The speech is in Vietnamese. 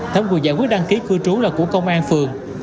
thẩm quyền giải quyết đăng ký cư trú là của công an phường